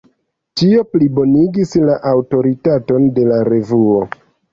Tio plibonigis la aŭtoritaton de la revuo.